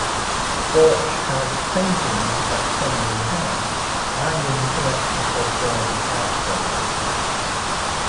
Birch has paintings at Penlee House and in the collection of Derby Art Gallery.